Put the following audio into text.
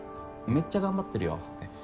めっちゃ頑張ってるよ。